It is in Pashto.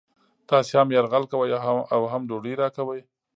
تاسې هم یرغل کوئ او هم ډوډۍ راکوئ